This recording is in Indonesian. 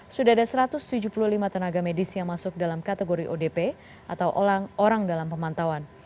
sudah ada satu ratus tujuh puluh lima tenaga medis yang masuk dalam kategori odp atau orang dalam pemantauan